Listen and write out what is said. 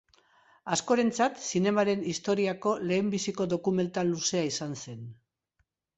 Askorentzat zinemaren historiako lehenbiziko dokumental luzea izan zen.